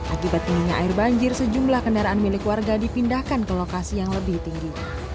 akibat tingginya air banjir sejumlah kendaraan milik warga dipindahkan ke lokasi yang lebih tinggi